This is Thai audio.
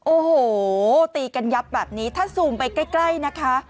โอ้โหตีกันยับแบบนี้ถ้าซูมไปใกล้นะคะ